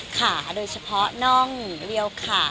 ขาโดยเฉพาะน่องเรียวขา